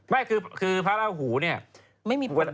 ไม่คือพระราหูเนี่ย